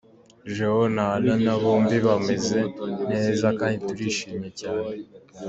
Geo na Alana bombi bameze neza kandi turishimye cyane.